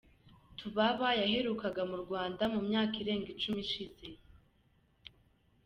Tu Baba yaherukaga mu Rwanda mu myaka irenga icumi ishize.